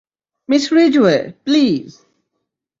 Miss Ridgeway, please!